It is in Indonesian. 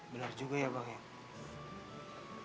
benar juga ya pak es